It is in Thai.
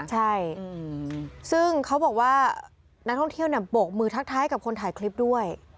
ใช่ซึ่งเขาบอกว่านักท่องเที่ยวเนี่ยโบกมือทักท้ายกับคนถ่ายคลิปด้วย